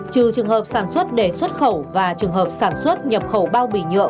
trừ trường hợp sản xuất để xuất khẩu và trường hợp sản xuất nhập khẩu bao bì nhựa